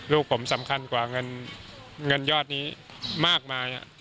ลูกผมสำคัญกว่าเงินยอดนี้มากมาย